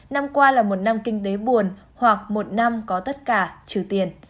năm qua là một năm kinh tế buồn hoặc một năm có tất cả trừ tiền